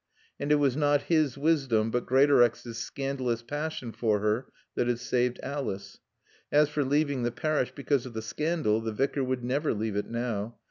And it was not his wisdom but Greatorex's scandalous passion for her that had saved Alice. As for leaving the parish because of the scandal, the Vicar would never leave it now.